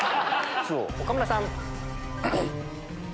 岡村さん。